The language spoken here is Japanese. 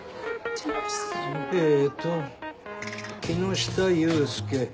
えっと木下裕介。